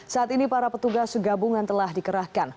saat ini para petugas gabungan telah dikerahkan